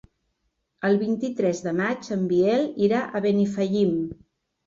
El vint-i-tres de maig en Biel irà a Benifallim.